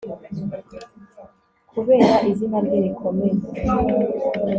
kubera izina rye rikomeye